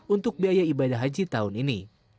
untuk biaya ibadah haji tahun ini